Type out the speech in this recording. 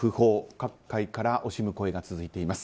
各界から惜しむ声が続いています。